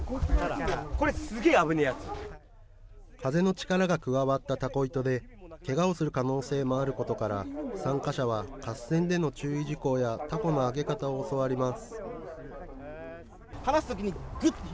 力が加わったたこ糸でけがをする可能性もあることから、参加者は合戦での注意事項やたこの揚げ方を教わります。